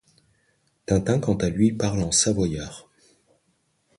Tintin quant à lui parle en savoyard.